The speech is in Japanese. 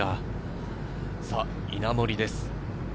稲森です。